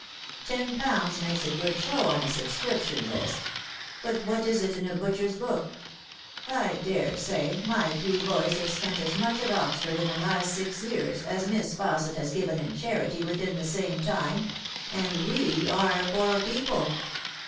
Ten pounds makes a good show on a subscription list ; but what is it in a butcher's book ? I dare say my three boys have spent as much at Oxford in the last six years as Miss Fausset has given in charity within the same time ; and we are poor people."